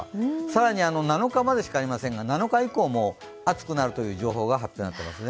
更に７日までしかありませんが、７日以降も暑くなるという情報が発表になっています。